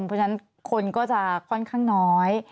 เพราะฉะนั้นคนก็จะค่อนข้างน้อย